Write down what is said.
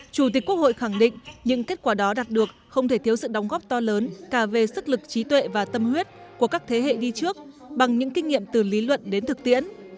chủ tịch quốc hội khẳng định những kết quả đó đạt được không thể thiếu sự đóng góp to lớn cả về sức lực trí tuệ và tâm huyết của các thế hệ đi trước bằng những kinh nghiệm từ lý luận đến thực tiễn